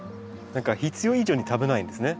必要以上に食べないんですね。